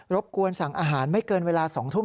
บกวนสั่งอาหารไม่เกินเวลา๒ทุ่ม